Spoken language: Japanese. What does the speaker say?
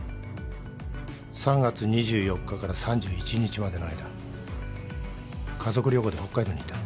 ３月２４日から３１日までの間家族旅行で北海道にいた。